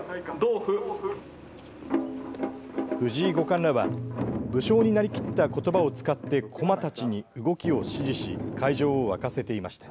藤井五冠らは武将になりきったことばを使って駒たちに動きを指示し会場を沸かせていました。